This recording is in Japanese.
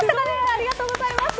ありがとうございます。